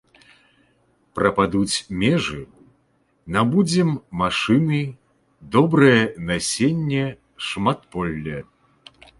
Прападуць межы, набудзем машыны, добрае насенне, шматполле.